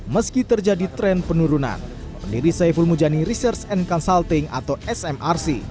meski terjadi tren penurunan pendiri saiful mujani research and consulting atau smrc